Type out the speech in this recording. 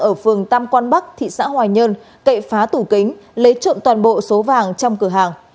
ở phường tam quan bắc thị xã hoài nhơn cậy phá tủ kính lấy trộm toàn bộ số vàng trong cửa hàng